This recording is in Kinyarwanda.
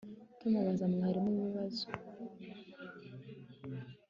Tom abaza mwarimu ibibazo